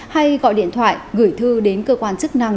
hay gọi điện thoại gửi thư đến cơ quan chức năng